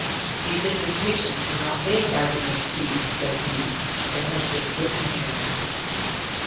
"These indentations were not made by the men's feet," said he. "There have been women here."